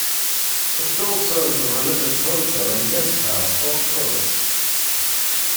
It still serves as a religious hotel and guest house for tourists.